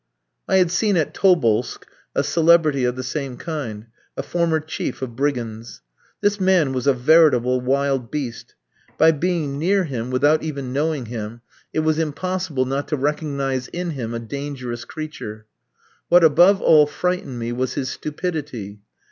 I had seen at Tobolsk a celebrity of the same kind a former chief of brigands. This man was a veritable wild beast; by being near him, without even knowing him, it was impossible not to recognise in him a dangerous creature. What above all frightened me was his stupidity.